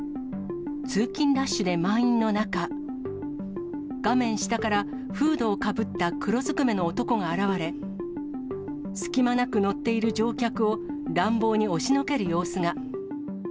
通勤ラッシュで満員の中、画面下からフードをかぶった黒ずくめの男が現れ、隙間なく乗っている乗客を、乱暴に押しのける様子が。